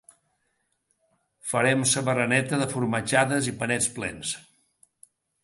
Farem sa bereneta de formatjades i panets plens